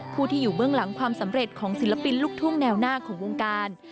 ผู้ที่อยู่เบื้องหลังความสำเร็จของศิลปินลูกทุ่งแนวหน้าของวงการ